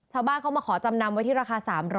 ชาวบ้านเขามาขอจำนำไว้ที่ราคา๓๐๐